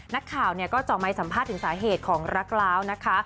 นักข่าวก็เจาะไม้สัมภาษณ์ถึงสาเหตุของรักล้าวนะคะ